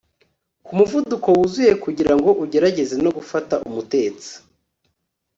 ku muvuduko wuzuye kugirango ugerageze no gufata umutetsi